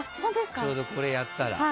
ちょうど、これやったら。